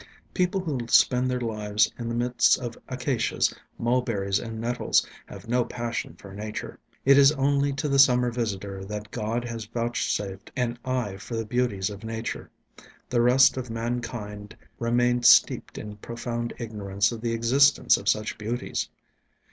People who spend their lives in the midst of acacias, mulberries, and nettles have no passion for nature. It is only to the summer visitor that God has vouchsafed an eye for the beauties of nature. The rest of mankind remain steeped in profound ignorance of the existence of such beauties.